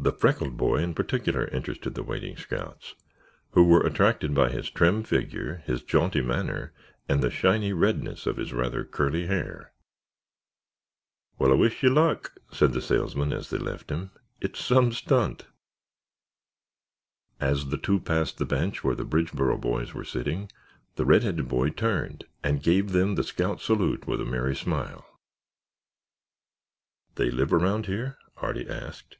The freckled boy, in particular, interested the waiting scouts who were attracted by his trim figure, his jaunty manner and the shiny redness of his rather curly hair. "Well, I wish you luck," said the salesman as they left him; "it's some stunt!" As the two passed the bench where the Bridgeboro boys were sitting, the red headed boy turned and gave them the scout salute with a merry smile. "They live around here?" Artie asked.